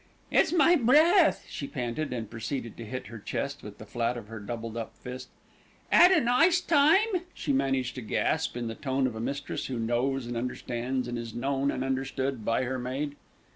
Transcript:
"It's my breath," she panted, and proceeded to hit her chest with the flat of her doubled up fist. "'Ad a nice time?" she managed to gasp in the tone of a mistress who knows and understands, and is known and understood by, her maid.